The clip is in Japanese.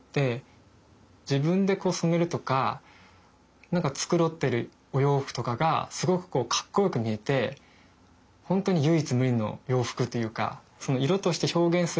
自分でこう染めるとか何か繕ってるお洋服とかがすごくこうかっこよく見えて本当に唯一無二の洋服というか。